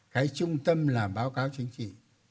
cái trung tâm là báo cáo chính trị